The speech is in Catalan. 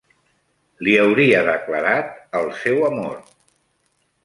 Li hauria declarat el seu amor;